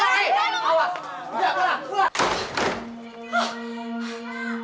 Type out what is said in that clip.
biar bapak eh